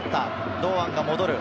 堂安が戻る。